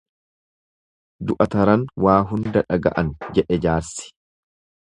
Du'a taran waa hunda dhaga'an jedhe jaarsi.